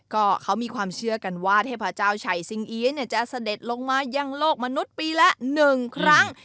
ก็เขามีความเชื่อกันว่าเทพเจ้าชัยสิงเอี๊ยเนี่ยจะเสด็จลงมายังโลกมนุษย์ปีละ๑ครั้ง